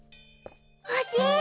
ほしい！